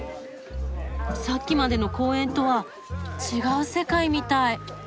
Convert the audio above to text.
さっきまでの公園とは違う世界みたい。